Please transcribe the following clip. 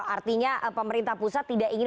artinya pemerintah pusat tidak ingin